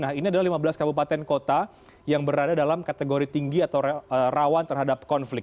nah ini adalah lima belas kabupaten kota yang berada dalam kategori tinggi atau rawan terhadap konflik